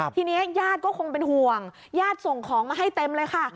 ทีนี้ญาติก็คงเป็นห่วงญาติส่งของมาให้เต็มเลยค่ะ